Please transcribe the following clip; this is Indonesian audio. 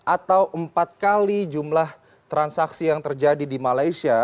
atau empat kali jumlah transaksi yang terjadi di malaysia